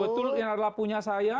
betul yang adalah punya saya